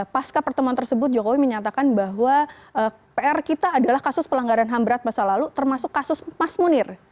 pasca pertemuan tersebut jokowi menyatakan bahwa pr kita adalah kasus pelanggaran ham berat masa lalu termasuk kasus mas munir